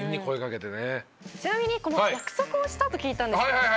ちなみに約束をしたと聞いたんですけど。